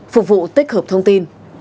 phục vụ tích hợp thông tin